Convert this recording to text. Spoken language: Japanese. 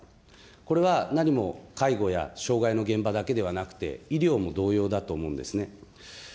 これは何も介護や障害の現場だけではなくて、医療も同様だと思うんですね。